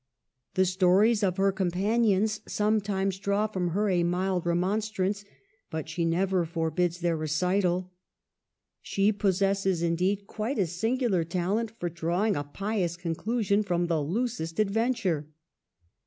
The stories of her com panions sometimes draw from her a mild remon strance, but she never forbids their recital. She possesses, indeed, quite a singular talent for drawing a pious conclusion from the loosest adventure.